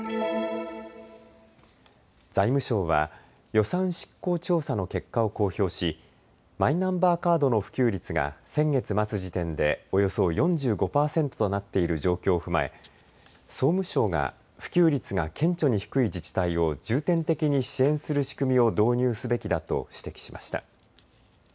財務省は予算執行調査の結果を公表しマイナンバーカードの普及率が先月末時点でおよそ４５％となっている状況を踏まえ総務省が普及率が顕著に低い自治体を重点的に支援する仕組みを導入すべきだと指摘しました。